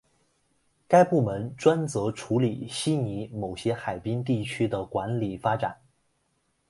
该部门专责处理悉尼某些海滨地区的管理发展。